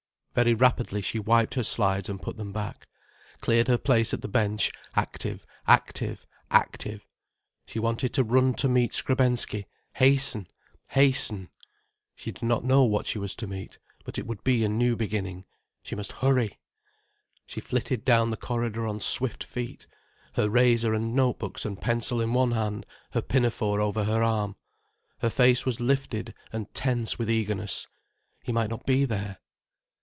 Very rapidly she wiped her slides and put them back, cleared her place at the bench, active, active, active. She wanted to run to meet Skrebensky, hasten—hasten. She did not know what she was to meet. But it would be a new beginning. She must hurry. She flitted down the corridor on swift feet, her razor and note books and pencil in one hand, her pinafore over her arm. Her face was lifted and tense with eagerness. He might not be there.